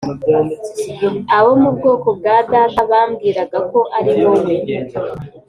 abo mu bwoko bwa data bambwiraga ko ari wowe